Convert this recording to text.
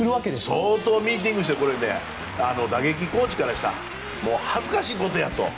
相当ミーティングして打撃コーチからしたら恥ずかしいことやと。